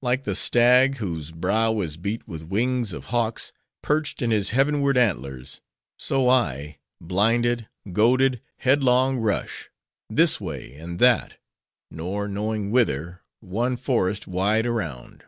"Like the stag, whose brow is beat with wings of hawks, perched in his heavenward antlers; so I, blinded, goaded, headlong, rush! this way and that; nor knowing whither; one forest wide around!"